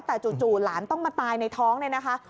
แต่จู่หลานต้องมาตายในท้องเนี่ยนะคะ